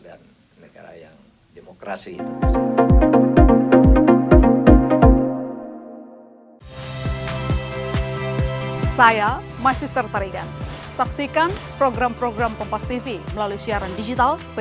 dan negara yang demokrasi